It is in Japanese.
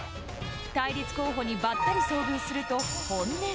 対立候補にばったり遭遇すると本音が。